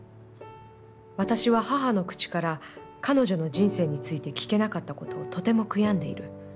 私は母の口から、彼女の人生について聞けなかったことをとても悔やんでいる。